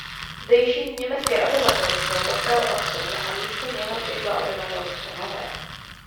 Zdejší německé obyvatelstvo potkal odsun a místo něho přišlo obyvatelstvo nové.